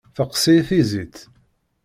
Teqqes-iyi tizit.